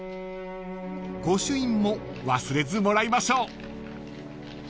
［御朱印も忘れずもらいましょう］